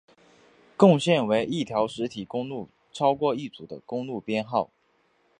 共线为一条实体公路具有超过一组的公路编号。